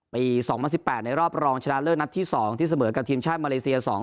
ปี๒๐๑๘ในรอบรองชนะเลิศนัดที่๒ที่เสมอกับทีมชาติมาเลเซีย๒๐